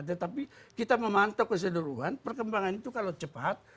tetapi kita memantau keseluruhan perkembangan itu kalau cepat